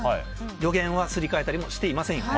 予言はすり替えたりもしていません。